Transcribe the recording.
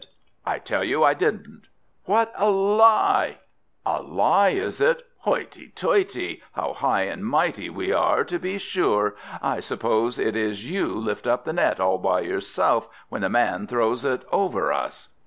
"I tell you I didn't!" "What a lie!" "A lie, is it? Hoity, toity, how high and mighty we are, to be sure! I suppose it is you lift up the net, all by yourself, when the man throws it over us!"